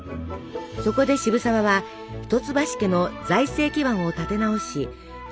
そこで渋沢は一橋家の財政基盤を立て直し絶大な信頼を得ます。